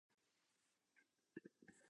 Far hade stått som förstenad.